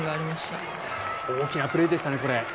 これ大きなプレーでしたね。